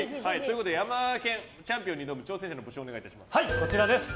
ヤマケン、チャンピオンに挑む挑戦者の募集をお願いします。